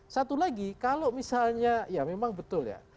satu lagi kalau misalnya ya memang betul ya